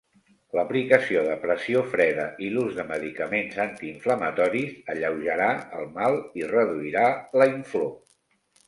L'aplicació de pressió freda i l'ús de medicaments antiinflamatoris alleujarà el mal i reduirà la inflor.